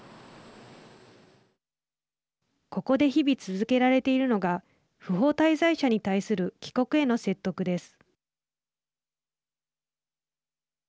ここで日々続けられているのが不法滞在者に対する帰国への説得です。